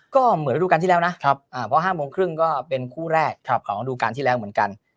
ก็เหมือนระดูการที่แล้วนะเพราะ๕โมงครึ่งก็เป็นคู่แรกของระดูการที่แล้วเหมือนกัน